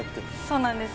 そうなんです